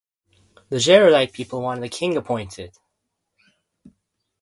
The Jaredite people wanted a king appointed.